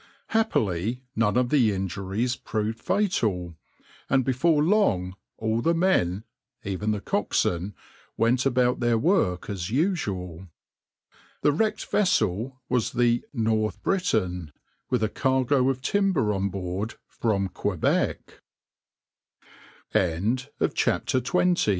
Happily, none of the injuries proved fatal, and before long all the men, even the coxswain, went about their work as usual. The wrecked vessel was the {\itshape{North Britain}}, with a cargo of timber on board from Quebec."\par \